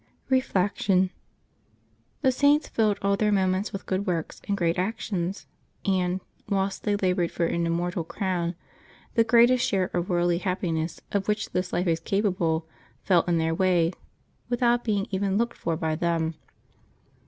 Reflection. — The Saints filled all their moments with good works and great actions ; and, whilst they labored for an immortal crown, the greatest share of worldly happiness of which this life is capable fell in their way without being even looked for by them.